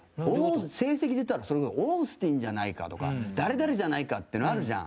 成績でいったらオースティンじゃないかとか誰々じゃないかっていうのはあるじゃん。